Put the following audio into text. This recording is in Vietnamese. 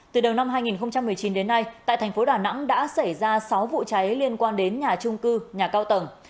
từ đầu năm hai nghìn một mươi chín đến nay tại thành phố đà nẵng đã xảy ra sáu vụ cháy liên quan đến nhà trung cư nhà cao tầng